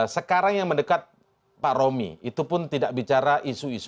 sekarang yang mendekat pak romi itu pun tidak bicara isu isu